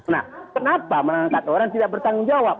nah kenapa mengangkat orang tidak bertanggung jawab